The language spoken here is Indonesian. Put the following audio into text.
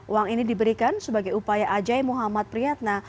uang ini diberikan sebagai upaya ajai muhammad priyatna